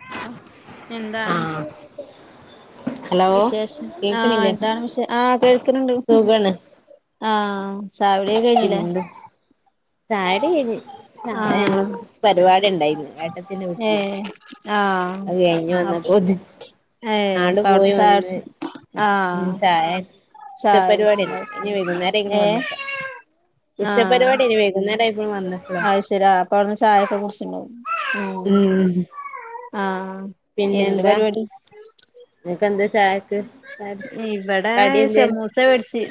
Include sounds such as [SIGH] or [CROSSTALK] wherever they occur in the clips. അ ഓ എന്താ ആഹ് ഹലോ വിശേഷം ആ.. കേക്കണില്ലേ എന്താണ് വിശേ ആ.. കേൾക്ക്നിണ്ട്. സുഖാണ് ആ ചായുടിഒക്കെ പിന്നെന്താ ചായടി കയിഞ്ഞ് ചായ ഞങ്ങള് ആഹ് പരിപാടി ണ്ടായിന്ന് ഏട്ടത്തിന്റെ വീട്ടില് ആ അത് കയിഞ്ഞ് വന്നപ്പോത്തി ത് ഏഹ് ആണ്ട് അപ്പൊ പോയി അവിടുന്ന് ചായ വന്ന് കുടിച്ച് ഞ്ഞ് ആഹ് ചായ ചായ ഉച്ചപരിപാടിയെർന്ന് കുടിച്ചിണ്ടാവും കയിഞ്ഞ് വൈകുന്നേരായ്ക്കുണു ഏഹ് വന്നപ്പോ ആഹ് വൈന്നേരായിക്ക്‌ണ് വന്നപ്പളെയ് അത് ശരി ആഹ് അപ്പൊ അവിടുന്ന് ചായൊക്കെ കുടിച്ചിണ്ടാവും മ് മ് ആ.. എന്ത് പരിപാടി? ങ്ങക്കെന്തെ ചായക്ക്? ഇവിടെ കടി എന്തേനു ശമൂസ വേടിച്ച്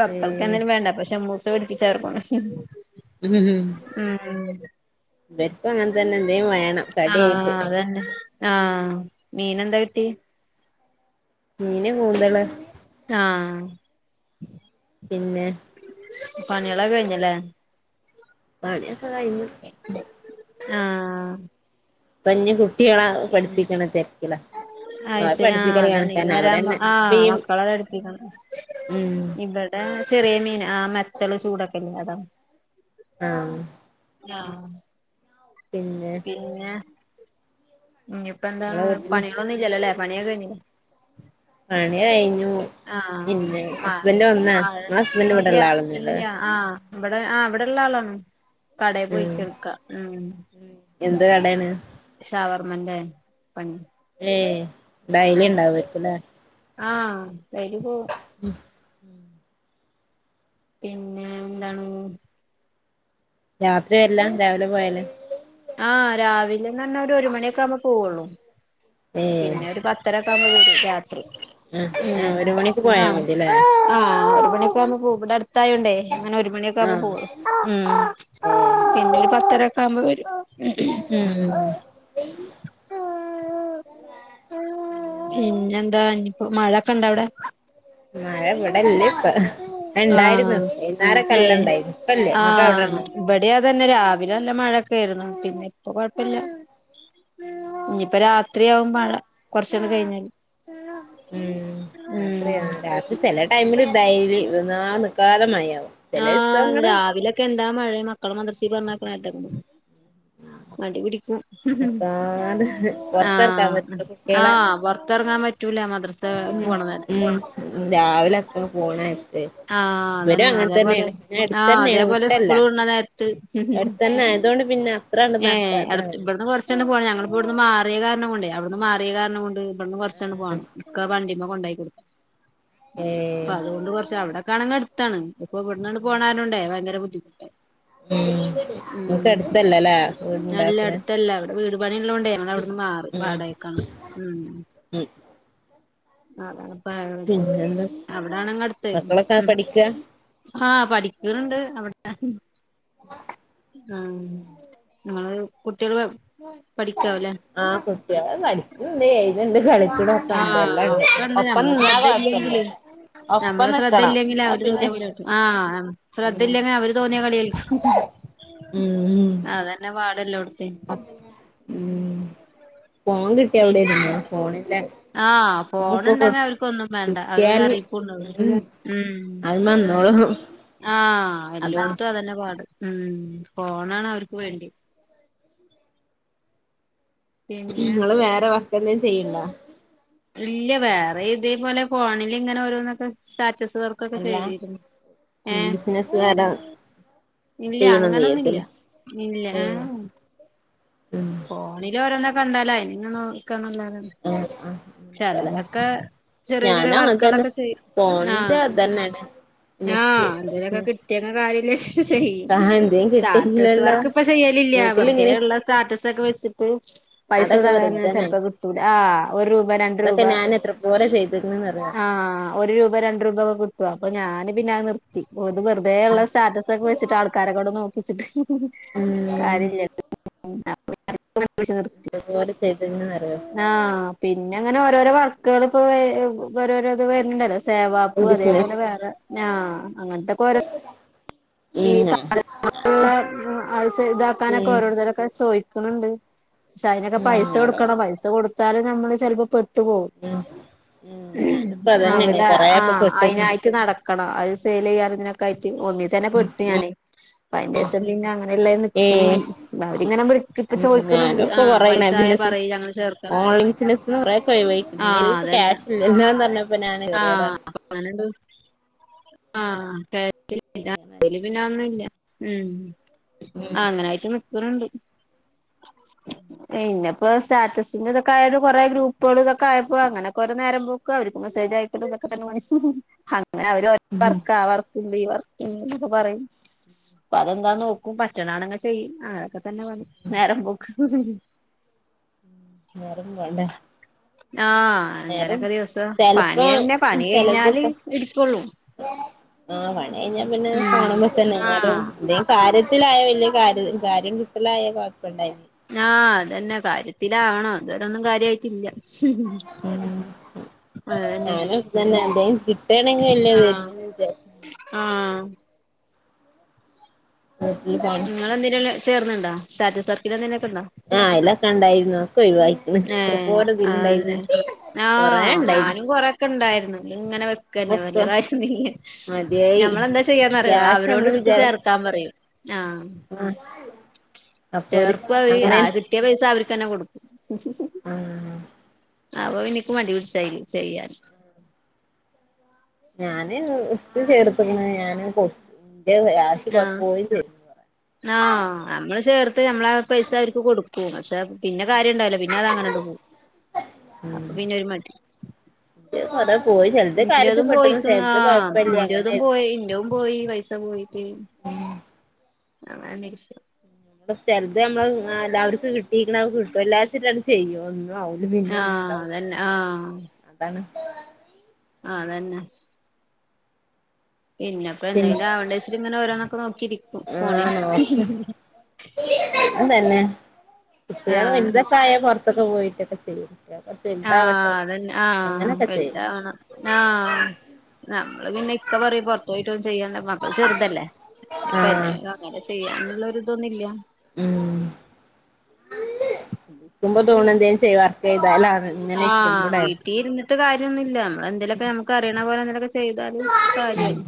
മക്കൾക്കെ ഏഹ് ന്തേലും വേണ്ടേ അപ്പൊ ശമൂസ കൊർച്ച് വേട്പ്പിച്ച് അവരെക്കൊണ്ട് മ് മ്... വര്ക്കും അങ്ങനെതന്നെ എന്തെങ്കിലും വേണം ആഹ് കടിയായ്ട്ട് അതന്നെ ആഹ മീനെന്താ കിട്ടി മീന് കൂന്തള് ആഹ.. പിന്നെ? പണികളൊക്കെ കയിഞ്ഞിലെ പണിയൊക്കെ കയിഞ്ഞു. ആഹ... പ്പഞ്ഞി കുട്ടികളാ പഠിപ്പിക്കണ തെരക്കിലാ അയി ശെരി ആ അതെന്നെ ഈ നേരവുമ്പോ ആ ഇപ്പ ഈ മക്കളെ പഠിപ്പിക്കണ് ഉം.. വിടാ ചെറിയ മീൻ ആ മെത്തല് ചൂടൊക്കെല്ലേ അതാ ആഹ ആഹ പിന്നെ പിന്നെ ഇഞ്ഞിപ്പോ ന്താണ് നിങ്ങളെ വീട്ടില് പണികളൊന്നുല്ലലോലെ പണിയൊക്കെ കഴിഞ്ഞില്ലേ പണി യ്ഞ്ഞു ആഹ ആഹ് നിങ്ങളെ ഹസ്ബൻഡ് ഇല്ല ഇവിടെള്ള ആളൊന്നുല്ലല്ലേ ഇല്ല ആഹ ഇവിടെ ആ അവിടെള്ള ആളാണ് ക്കടേ ഉം പോയിക്കാണിക്ക എന്ത് കടെണ് ഷവർമന്റെ പണിയാ ഏയ് ഡായ്ലി ഇണ്ടാവുരിക്കുല്ലേ? ആഹ് ഡെയിലി പോവും. ഉം. പിന്നെ എന്താണ്? രാത്രി വര്ല്ലാ രാവിലെ പോയല്? ആഹ് രാവിലെന്നാർഞാ ഒരു മണിയൊക്കെ ആവുമ്പൊ പോവൊള്ളൂ. ഏഹ് പിന്നെ ഒരുപത്ത് ത്തരക്കുമ്പോഴ രാത്രി ആഹ് ഉ ആഹ് ഒരു മണിക്ക് പോയാ ആ് മതില്ലേ ആ അ [UNINTELLIGIBLE] മണിയക്കുമ്പ പൂ ഇവടെ അടുത്തായോണ്ട് അങ്ങനെ ഒരു മണിയൊക്കെ ആഹ് പോവൊള്ളൂ. മം ഏഹ് പിന്നെ ഒരു പത്തര വുമ്പോ വെരും. ഉം പിന്നെന്താ പിന്നെ എന്താ? ഇപ്പോ മഴൊക്കെ ഇണ്ടഅവിടെ? മഴ ഇവിടല്ലെ ഇപ്പൊ. ഇന്ന് ഉണ്ടായിരുന്നു. ആഹ് വൈകുന്നേരൊക്കെല്ലം ണ്ടായിരുന്നു ഇപ്പല്ലേ നിങ്ങക്ക് അവിടെ ഉണ്ട ഇവടിം അതെന്നെ രാവിലെ നല്ല മഴൊക്കെ ഏർന്നു. പിന്നെ ഇപ്പൊ കൊഴപ്പല്ല. ഇന്ഞ്ഞ് പ്പോ രാത്രിയാകും മഴ. കൊറചോന്ന് കഴിഞ്ഞാല് മം. ഉം രാത്രിയാണ്. രാത്രി ചെല ടൈമില് ഡെയിലി നിക്കാതെ മഴയാവും. ചെല ആഹ് ദിവസങ്ങള് രാവിലൊക്കെ എന്താ മഴ. മക്കളെ മദർസീൽ പറഞ്ഞയക്കാണ നേരത്ത് മടിപിടിക്കും. നിക്കാതെ പൊറത്തെറക്കാൻ ആഹ് പറ്റില്ല കുട്ടികളെ ആഹ് പുറത്തിറങ്ങാൻ പറ്റും റ്റൂല മദർ ഉം മം രാവിലെഒക്കെ പോണാ ആഹ് ഇവരും അതന്നെ അങ്ങനെ അതേപോലെ തന്നെയാണ്. ആ ആഹ് അടുത്തന്നെ ആണ് അതേപോലെ വിട്ടല്ല. സ്കൂള് വിടണ നേരത്ത് അടുത്തന്നെ അതുകൊണ്ട് പിന്നെ അത്രാണ്ട് നടക്ക ഇചന്നെ പോണം. ഞങ്ങളിപ്പം ഇവിടുന്ന് മാറിയ കാരണം കൊണ്ടെ, അവിടുന്ന് മാറിയ കാരണം കൊണ്ട് ഇവിന്ന് കുറ കൊർച്ണ്ട് പോണം. വണ്ടിമ്മേ കൊണ്ടായി കൊടുക്കാ. അപ്പ ഏഹ് അതുകൊണ്ട് കുറച്ച് അവിടെക്ക ആണെങ്ക ട്ത്താണ് ഇപ്പൊ ഇവിടുന്നട് പോകാനുണ്ടേ ഭയങ്കര ബുദ്ധിമുട്ട്. ഉം ങ്ങക്ക് എടുത്തല്ല അല്ലേ? അല്ല അടുത്തല്ല. അവിടെ വീട് പാണിയൊള്ളോണ്ട് അവിടുന്ന് മാറി. ഉം വാടക്കാണ് മം ഉം അതാണ് പ്പോ... പിന്നെന്താ അവിടെണങ്ങെ അടുത്ത് മക്കളൊക്കെ പഠിക്കാ ആഹ് പഠിക്കണ്ണ്ട് അവിട്ത്തെ നിങ്ങള് കുട്ടികൾ പഠിക്കാവുലെ? ആഹ് കുട്ട്യേള് പഠിക്ണ്ട്‌ ഏയ്‌ എയ്ത്ണ്ട് കളിക്കിനോക്കേണ്ട് ആഹ് എല്ലാണ്ട് ഒക്കെണ്ട് ഒപ്പം നമ്മളെ നിന്നാ ശ്രദ്ധ കൊഴപ്പല്ല. ഇല്ലെങ്കില് ഒപ്പം നമ്മളെ നിക്കണം ശ്രദ്ധയില്ലെങ്കിൽ എന്നാ അവര് പിന്നെ തോന്നിയപോലെ. ആ ശ്രദ്ധയില്ലെങ്കിൽ അവര് തോന്നിയ കളി കളിക്കും. അതന്നെ പാട് എല്ലോടത്തിം ഉമം. ഉ ഫോൺ കിട്ടിയ അവിടെ ഇരുന്നോളും. ഫോണിന്റെ ആഹ്. ഫോണണ്ടങ്ങേ അവർക്കൊന്നും വേണ്ട. അവരോരു അറിയിപ്പുംണ്ട അയിമമേ ന്നോളും ആഹ്. എല്ലോടത്തും അതന്നെ പാട്. മം ഫോണാണ് അവർക്ക് വേണ്ടി. പിന്നെ നിങ്ങള് വേറെ വർക്ക് എന്തേലും ചെയ്യണ്ടാ? ഇല്ല. വേറെ ഇതേപോലെ ഫോണിൽ ഇങ്ങനെ ഓരോന്നൊക്കെ സ്റ്റാറ്റസ് കൊക്കേ അല്ല ചെയ്തിരുന്നു. ഉം ഏഹ് ബിസിനസ് വേറെ ഇല്ല. ചെയ്യണന്ന് അങ്ങനൊന്നുല്ല വിചാരിക്കുല്ലേ ഇല്ല ഏഹ് ആഹ്.. ഉം. ഫോണില് ഓരോന്ന്‌ കണ്ടാലാ. ആയിങ്ങനെ നോക്കണല്ലാതേ. ആഹ് ആഹ് അങ്ങനൊക്കല്ലേ ചിലതക്കെ ചെറിയ ചെറിയ ഞാനും അങ്ങനെ തന്നെ വർക്കുകളൊക്കെ ചെയ്യും. പോണത് ആഹ് അതന്നെയാണ് ആഹ് ബിസിനസ് എന്തേലൊക്കെ ബിസിനസ് കിട്ടിയ കാര്യല്ല ചെയ്യും. ആഹ് എന്തേലും സ്റ്റാറ്റസ് കിട്ടിയെങ്കിലല്ലോ വർക്ക് ഇപ്പ ചെയ്യലില്ല. വീട്ടിലിങ്ങനെ വെറുതെള്ള സ്റ്റാറ്റസക്കേ വെച്ചിട്ട് പൈസ അതൊക്കെ തരാന് വെറുതെന്നാണ് ചെലപ്പോ കിട്ടൂല. ആഹ് ഒരു രൂപ രണ്ട് രൂപ അതൊക്കെ ഞാൻ എത്ര പോലെ ചെയ്തിക്കണന്നറിയോ ആഹ് ഒരു രൂപ രണ്ട് രൂപ ഒക്കെ കിട്ടും. അപ്പൊ ഞാന് പിന്നെ നിർ ത്തി വെറുതെള്ള സ്റ്റാറ്റസ് ഒക്കെ വെച്ചിട്ട് ആൾക്കാരെ കൊണ്ട് നോക്കിച്ചിട്ട് ഉം കാര്യമില്ല [UNINTELLIGIBLE] എത്രപോലെ ചെയ്തിക്കണന്നറിയോ ആഹ് പിന്നെ അങ്ങനെ ഓരോരോ വർക്കുകൾ ഇപ്പോ ഓരോരോ ഇത് വരുന്നുണ്ടല്ലോ സേവാപ്പ് ബിസിനസ് അതേപോലെ വേറെ ആഹ് അങ്ങനത്തെക്കെ ഓരോ ഈ ഉം സാധനുള്ള ഇതാക്കാനൊക്കെ ഉം ഓരോരുത്തരൊക്കെ ചോദിക്കണണ്ട് പക്ഷെ അതിനൊക്കെ ഉം പൈസ അവിടെ കൊടുക്കണം പൈസ കൊടുത്താല് നമ്മള് ചിലപ്പോ പെ ട്ട് പോവും ഉം ഉം ഞാനിപ്പ അതന്നെയാണ് അവരു കൊറേപ്പൊ ആഹ് പെട്ട്ക്കണ് അതിനായിട്ട് നട ക്കണ അത് സെയിൽ ചെയ്യാൻ ഇതിനൊക്കെ ആയിട്ട് ഒന്നിൽ തന്നെ പെട്ടു ഞാനേ ഇപ്പ അതിന്റെ ശേഷം പിന്നെ അങ്ങനെ ഉള്ള നിക്കണ ഏഹ് അവരിങ്ങനെ ഇപ്പ ചോദിക്കുന്നുണ്ട് ആഹ് [UNINTELLIGIBLE] പൈസ പറഞ്ഞപ്പ ആയ പറയ് ഞങ്ങള് ചേർക്കാനൊക്കെ പറഞ്ഞു. ആഹ് അതന്നെ ഞാനൻ കറിയതാണ് എങ്ങനെണ്ട് ആഹ് [UNINTELLIGIBLE] കുഴപ്പമില്ല ഉം ഉം ആഹ് അങ്ങനെയിട്ട് നിക്കണണ്ട് [INAUDIBLE] പിന്ന ഇപ്പോ സ്റ്റാറ്റസിന്റെ ഇതൊക്കെ ആയത് കൊറെ ഗ്രൂപ്പുകൾ ഇതൊക്ക ആയപ്പോ അങ്ങനെക്കെ ഒരു നേരം പോ ക്ക്‌ അവർക്ക് മെസ്സേജ് ആയക്കണ്ടൊക്കെ തന്നെ പണി അങ്ങനെ അവര് ഉം ആ വർക്ക് ഈ വർക്ക് പറയും അപ്പൊ അതെന്താ നോക്കും പറ്റണണങ്കെ ചെയ്യും അങ്ങനൊക്കെ തന്നെ പണി നേരം പോക്ക് വേറെന്നും വേണ്ട ആഹ് എന്താലൊക്കെ ദിവസം ചെലപ്പോ പണിയന്നെ പണി കഴിഞ്ഞാല് ചെലതിപ്പോ ഇരിക്കുള്ളൂ ആഹ് പണി കഴിഞ്ഞാ പിന്നെ ഉം ഫോണ് ആഹ് [UNINTELLIGIBLE] കാര്യത്തിലായ വലിയ കാര്യ! ! ! ! ! ! ! ! കിട്ടലായ കുഴപ്പുണ്ടായിരുന്നു ആഹ് അതന്നെ കാര്യത്തിലാവണം അതുവരെന്നും കാര്യമായിട്ടില്ല ഉം അതന്നെ ഞാനും ഇത് തന്നെ എന്തേലും കിട്ടയാണെങ്കിൽ വല്യ [UNINTELLIGIBLE] ആഹ് [UNINTELLIGIBLE] നിങ്ങൾെന്തേലും ചേർന്ന്ണ്ടോ സ്‌റ്റസ്‌ വർക്ക് എന്തേലൊക്കെ ഉണ്ടോ ആഹ് അതിലൊക്കെ ഉണ്ടായിരുന്നു ഒക്കെ ഒഴിവായി ഇത്ര ഏഹ് പോര ഇതില അതന്നെ ഇണ്ടായിരുന്നു കൊറേ ഇണ്ടായിരുന്നു വർക്ക് ഉണ്ടായിരുന്നു ഇങ്ങനെ ക്ക് തന്നെ വല്യ ഒക്കെ കാര്യന്നില്ല മതിയായി ഞമ്മളെന്താ ചെയ്യാന്നറിയോ ക്യാഷ് നമ്മള് അവരോട്ടുത്ത് വിചാ ചേർ ത്താ പറയും ആഹ് ആ അപ്പൊ ഒരു ചേർപ്പ് അവര് അങ്ങനെ ആര് കിട്ടിയ പൈസ അവർക്ക് തന്നെ കൊടുക്കും ഉം അപ്പ എനിക്ക് മടിശ്യായി അയില് ചെയ്യാൻ ഞാന് ഇത് ചേർത്തിന്ന് ഞാന് [UNINTELLIGIBLE] ആഹ് പോയിം ചെയ്ത് ആഹ് നമ്മള് ചേർത്ത് നമ്മള് പൈസ അവർക്ക് കൊടു ക്കും പക്ഷെ പിന്നെ കാര്യംണ്ടാവല്ലാ പിന്നെ അത് അങ്ങനെണ്ട് പോവും ഉം ഇത് കുറെ പോയി ചെലത് കാര്യത്തി ഇൻ്റേതും പെട്ട്ണ് പോയിക്കുന്ന ചെലത് ആഹ് കൊഴപ്പല്ല ഇന്റെതും അങ്ങനേര്ന്നു പോയിനും ഇൻ്റെ പോയി പൈസ പോയിട്ട് അങ്ങനെ തന്നെ ഇരിക്ക നമ്മ ചെറുത് നമ്മള് എല്ലാവർക്കും കിട്ടീരിക്കക്ക് കിട്ടും എല്ലാച്ചാണ് ചെയ്യോ അവല് പിന്നെ ഒന്നും ആഹ് ഇണ്ടാവില്ല അതന്നെ ആഹ് അതാണ് ആഹ് അതന്നെ പിന്നെപ്പ പിന്നെ എന്തായാലും ആണ്ട വെച്ചട്ട ഇങ്ങനെ ഓരോന്നൊക്കെ നോക്കിയിരിക്കും ഫോണിൽ അതന്നെ കുട്ടികള് ആഹ് വലുതൊക്കെ ആയ പുറത്തൊക്കെ പോയിട്ടൊക്കെ ചെയ്യും െ [UNINTELLIGIBLE] ആഹ് അതന്നെ ആഹ് വലുതവണം ആഹ് നമ്മള് പിന്നെ ഇക്ക പറയും പൊറത്തയിട്ട ഒന്നും ചെയ്യണ്ട മക്കൾ ചെറുതല്ലേ ഇപ്പല്ലേ ആഹ് അങ്ങനെ ചെയ്യാനുള്ളരി ഇതൊന്നും ഇല്ല്യ ഉം നിക്കുമ്പോ തോന്നും എന്തേ ചെയ്യ്താ ചെയതാലാന്ന് ആഹ് വീട്ടിൽ ഇരിന്നിട്ട് കാര്യംന്നുംല്ല നമ്മള് അതിലൊക്കെ നമുക്ക് അറിയണ പോലെ എന്തെലൊക്കെ ചെയ്താല് ഉം കാര്യാണ്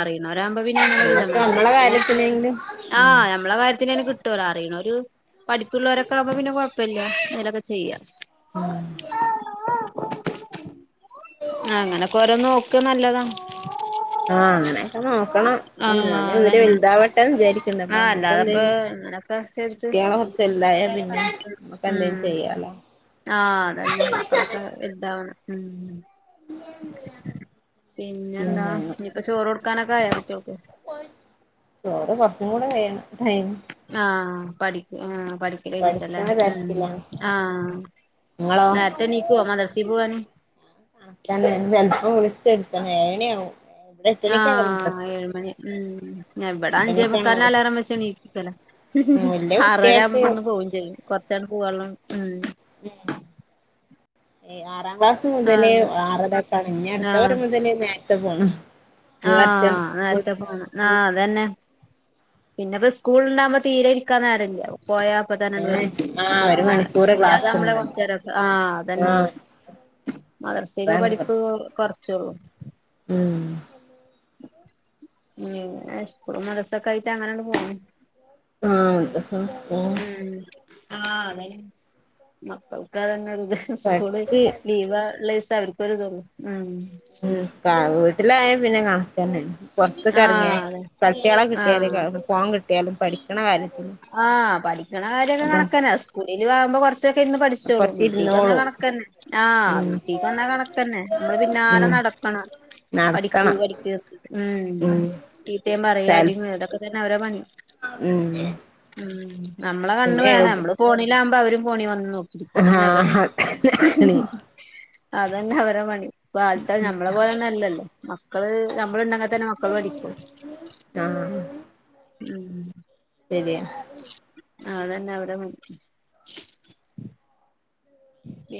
അറിയണവരാവ്മ്പോ പിന്നെ അങ്ങനെ ഒരുതാണ് നമ്മക്ക് നമ്മളെ അറിയത്തോര് പോയിട്ട് കാര്യല്ല, കാര്യത്തിനെങ്കിലും ആ ഉം നമ്മളെ കാര്യത്തിന് കിട്ടു അറിയണോര് പഠിപ്പ്ള്ളവരൊക്കെ ആവുമ്പോ പിന്നെ കുഴപ്പല്ല അങ്ങനൊക്കെ ചെയ്യാം ഉം ആ അങ്ങനൊക്കെ ഓരോ നോക്ക നല്ലതാ ആഹ് അങ്ങനെയൊക്കെ നോക്കണം ഉം ആഹ് ഞാന് ഇവര് അതന്നെ വലുതാവട്ടെന്ന് വിചാരി പിന്നെപ്പ ആഹ് നമ്മുക്ക് അല്ലാതെപ്പോ എന്തേലും ഇങ്ങനൊക്കെ ചെയ്തിട്ട് കുട്ട്യേള് കൊർച്ച് വലുതായ പിന്നെ നമ്മുക്ക് എന്തേലും ഉം ചെയ്യാലോ ആഹ് അതന്നെ മക്കളൊക്കെ വലുതാവണം ഉം എ പിന്നെ എന്താ ഇനിപ്പ ചോറ് കൊടുക്കാനൊക്കെ ആയാ കുട്ടികൾക്ക് ചോറ് കുറച്ചും കൂടെ കഴിയണം ടൈം ആഹ് പഠിക്ക ആഹ് പഠി പഠിക്കണ [UNINTELLIGIBLE] ഉം തിരക്കിലാണ് ആഹ് നിങ്ങളോ നേരത്തെ നീക്കുവാ മദർസില്ക്ക് പോവാന് ചെലപ്പം വിളിച്ചെഴുത്തണം ഏഴ് മണിയാവും ആഹ് ഏഴ് മണി ഉം ഞ ഇവടെ അഞ്ചേ എട്ടണിക്കാണ് മുക്കാൽന് മദ്രസ് അലരം വെച്ചണീപ്പിക്കല വല്യ ആറര ആവുമ്പ കുട്ടികൾക്ക് ഇവടന്ന് പോകയും ചെയ്യും കൊറച്ചണ്ട് പൂവാള്ളാണ് ഉം ഉം ഏ ആറാം ക്ലാസ് മുതലേ ആഹ് ആറരക്കാണ് ഇഞ്ഞി അടുത്ത ആഹ് [UNINTELLIGIBLE] മുതലേ നേരത്തെ പോണം ഈ വർഷം ആഹ് നേരത്തെ കൂടുണ്ടാവും പോണം ആഹ് അതന്നെ പിന്നെപ്പോ സ്കൂള് ണ്ടാവുമ്പോ തീരെ ഇരിക്കാൻ നേരല്ല പോയാ പ്പത്തന്നണ്ട് ഏഹ് വെരും ആഹ് സ്കൂൾ ഒരു ണ്ടാ മണിക്കൂറ് ഇല്ലാതാമ്പളെ ക്ലാസ്ണ്ട് കൊറച്ച് നേരൊക്കെ ആഹ് അതന്നെ ആഹ് മദർസയിലെ അതാണ് പഠിപ്പ് പ്രശ്നം കുറച്ചള്ളു ഉം ഉം എ മദർസൊക്കെ ആയിട്ട് അങ്ങനെയണ്ട് പോണൂ ആഹ് മദ്രസും സ്കൂളും ഉം ആഹ് അതെ മക്കൾക്കതന്നെ ഒരു ഇത് സ്കൂള് പഠിച്ച് ലീവ ഉള്ളിസ അവർക്കരുതൊള്ളൂ ഉം ഉം വീട്ടിലായ പിന്നെ കണക്കന്നെ പുറത്തൊക്കെ ഇറങ്ങിയാ ആഹ് അതെ പട്ടികള ആഹ് കിട്ടിയാലും ഫോൺ കിട്ടിയാലും പഠിക്കണ കാര്യത്തി ആഹ് പഠിക്കണ കാര്യൊക്കെ കണക്കാനാ സ്കൂളിൽ ആകുമ്പോ കൊറച്ച് ക്കെ ഇരുന്ന് പഠിച്ചോളും വീട്ടിൽ തന്ന കൊറച്ചിരുന്നോളും കണക്കന്നെ ആഹ് ഉം വീട്ടിൽക്ക് വന്നാ കണക്കന്നെ നമ്മള് പിന്നാലെ ഉം നടക്കണം പഠക്ക് നടക്കണം പഠിക്ക് ഉം ചീത്തേയും പറയാ സൽ അടി അതൊക്കെ തന്നെ അവരെ പണി ഉം ഉം നമ്മള കണ്ണ് പിന്നെ വേണം എഴുത് നമ്മള് ഫോണീലാവുമ്പോ അവരും ഫോണി വന്നു നോക്കും ഇപ്പോതന്നെ അവര ആഹ് അതന്നെ അവര പണി [UNINTELLIGIBLE] നമ്മളെ പോലെന്നല്ലല്ലോ മക്കള് നമ്മള്ണ്ട ത്തന്നെ മക്കൾ പഠിക്കു ആഹ് ശരിയ അതന്നെ അവിടെ മ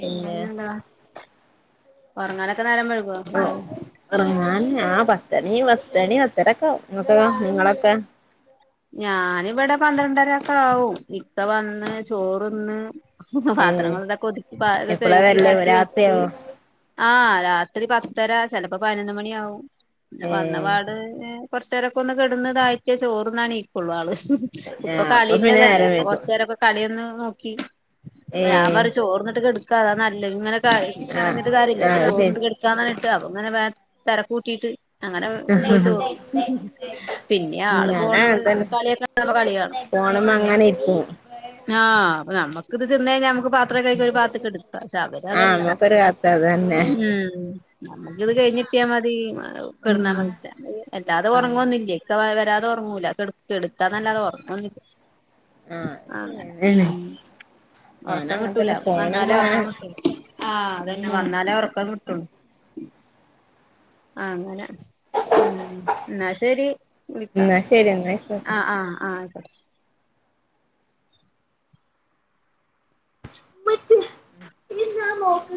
പിന്നെ എന്താ ഉറങ്ങാനൊക്കെ നേരം വെഴ്കുവോ? ഒറങ്ങാൻ ആഹ് പത്തണി പത്തണി പത്തരക്കേവും ആഹ് ഞാനിവിടെ പന്ത്രണ്ടരൊക്കെ ആവും ഇക്ക വന്ന് ചോറന്ന് ഏഹ് പാത്രങ്ങൾ ഇതൊക്കെ ഒതുക്കി പെ എപ്പളാ കഴുകി വരല് ഇതാക്കി വെച്ച് രാത്രിയാവോ ആഹ് രാത്രി പത്തര ചെലപ്പോ പതിനൊന്ന് മണി ആവും ഏഹ് വന്നപാട് കുറച്ച് നേരൊക്കെ ഒന്ന് കിടന്ന് തായിറ്റേ ചോറുണ്ണാ ഫുള്ളാള്, ഇപ്പൊ ആഹ് അപ്പൊ പിന്നെ കളിന്റെറതല്ലേ നേരം അപ്പൊ വൈകും കൊറച്ചു നേരൊക്കെ കളിയൊന്ന് നോക്കി ഞാൻ ഏഹ് പറയും ചോർന്നിട്ട് കെടുക്കാ താ നല്ല ഇങ്ങനെ ആഹ് ഇങ്ങിട്ട് കാര്യ ഇല്ല അപ്പൊ ആഹ് ശരി ചോർന്നിട്ട് അങ്ങനിട്ട് അ അങ്ങനെ വ തിരക്കൂട്ടിയിട്ട് അങ്ങനെ പോയി ചോർണ്ണും പിന്നെ ആള് ഞാന പോണ് അങ്ങൻതന്നെ കളിയൊക്കെ കാണ് കളികാണും [INAUDIBLE] ആഹ് അപ്പ നമ്മക്ക് ഇത് തിന്ന് കഴിഞ്ഞാ നമുക്ക് പാത്രം കഴിക്ക ഒരു പാത്തക്ക് എടുക്ക പക്ഷെ അവര് ആഹ് അതല്ല നമ്മക്കൊരു കത്ത് അതന്നെ ഉം നമ്മുക്കിത് കഴിഞ്ഞിട്ടിയാൽ മതി [UNINTELLIGIBLE] ഉം കിടന്നാ മനസില് അല്ലാതെ ഉറങ്ങുന്നില്ലേ ഇക്ക വരാതെ ഉറങ്ങൂല കിട കിടക്കൊന്നല്ലാതെ ഒറങ്ങൂന്നുമില്ല ആഹ് അങ്ങനെ ഉം ഞാനും ഉറക്കം കിട്ടൂല അങ്ങൻതന്നെ വന്നാലേ ഫോണുമ്മങ്ങനെ ഉറക്കം കിട്ടു ആഹ് ഉം അതന്നെ ഉം വന്നാലേ ഉറക്കം കിട്ടുള്ളൂ ആഹ് അങ്ങനെ മഹ് എന്നാ ശരി വിളിക്കാം ഇന്നാ ശരി ഇന്നാ ആഹ് ആഹ് ആഹ് ആയിക്കോട്ടെ [INAUDIBLE]